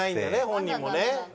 本人もね。